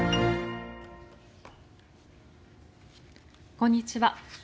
こんにちは。